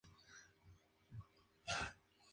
En ella se muestran los trabajos del ferrocarril.